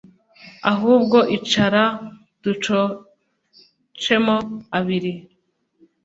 ahubwo icara ducocemo abiri